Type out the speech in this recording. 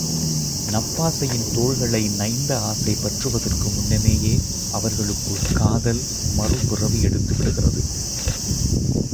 நப்பாசையின் தோள்களை நைந்த ஆசை பற்றுவதற்கு முன்னமேயே அவர்களுக்குள் காதல் மறுபிறவி எடுத்துவிடுகிறது.